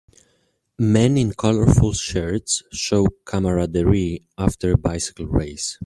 Men in colorful shirts show camaraderie after a bicycle race.